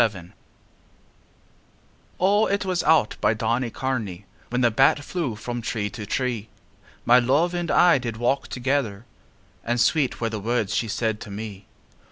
XXXI O, it was out by Donnycarney When the bat flew from tree to tree My love and I did walk together; And sweet were the words she said to me.